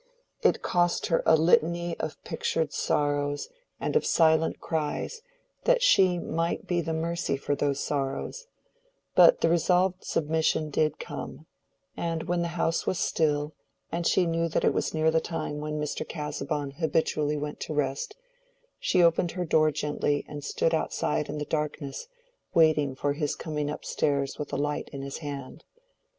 It cost her a litany of pictured sorrows and of silent cries that she might be the mercy for those sorrows—but the resolved submission did come; and when the house was still, and she knew that it was near the time when Mr. Casaubon habitually went to rest, she opened her door gently and stood outside in the darkness waiting for his coming up stairs with a light in his hand.